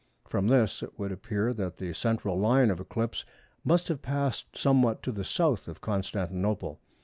From this it would appear that the central line of eclipse must have passed somewhat to the south of Constantinople.